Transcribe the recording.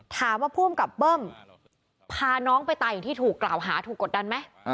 ถามว่าผู้อำกับเบิ้มพาน้องไปตายอย่างที่ถูกกล่าวหาถูกกดดันไหม